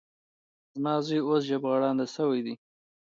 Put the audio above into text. زما زوی اوس ژبغړاندی شوی دی.